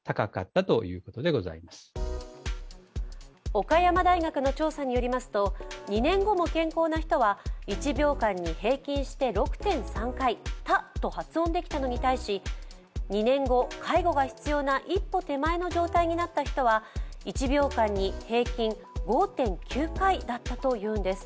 岡山大学の調査によりますと、２年後も健康な人は１秒間に平均して６．３回「タ」と発音できたのに対し２年後、介護が必要な一歩手前の状態になった人は１秒間に平均５．９回だったというんです。